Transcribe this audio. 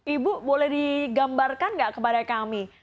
ibu boleh digambarkan nggak kepada kami